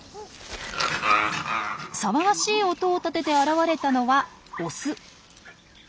騒がしい音を立てて現れたのはオス。